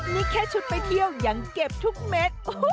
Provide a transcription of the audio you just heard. นี่แค่ชุดไปเที่ยวยังเก็บทุกเม็ด